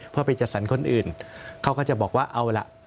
พอไปจัดสรรคนอื่นเขาก็จะบอกว่าเอาล่ะ